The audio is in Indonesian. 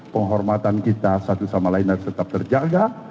penghormatan kita satu sama lain harus tetap terjaga